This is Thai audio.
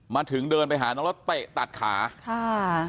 มาถึงเดินไปหาน้องแล้วเตะตัดขาค่ะ